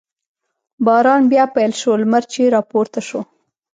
باران بیا پیل شو، لمر چې را پورته شو.